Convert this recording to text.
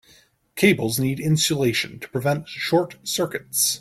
Cables need insulation to prevent short circuits.